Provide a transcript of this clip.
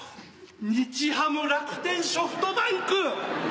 「日ハム」「楽天」「ソフトバンク」。